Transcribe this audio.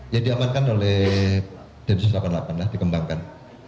yang diamankan oleh densus delapan puluh delapan lah dikembangkan